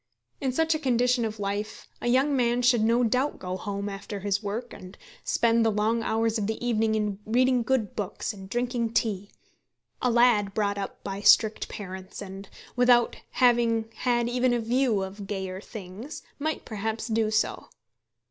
In such a condition of life a young man should no doubt go home after his work, and spend the long hours of the evening in reading good books and drinking tea. A lad brought up by strict parents, and without having had even a view of gayer things, might perhaps do so.